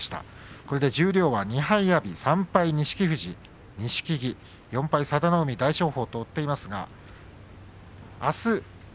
これで十両は２敗阿炎３敗錦富士、錦木４敗、佐田の海、大翔鵬。